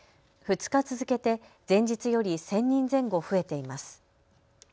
２日続けて前日より１０００人前後増えています。